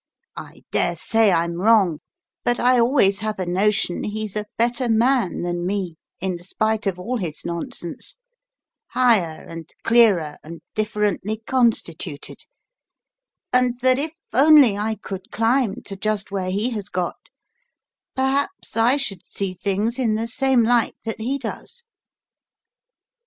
I dare say I'm wrong, but I always have a notion he's a better man than me, in spite of all his nonsense, higher and clearer and differently constituted, and that if only I could climb to just where he has got, perhaps I should see things in the same light that he does."